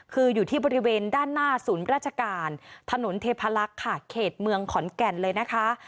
คืออยู่ที่บริเวณด้านหน้าศูนย์ราชการถนนเทพลักษณ์ค่ะเขตเมืองขอนแก่นเลยนะคะ